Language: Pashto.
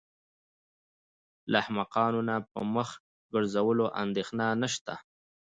له احمقانو نه په مخ ګرځولو اندېښنه نشته.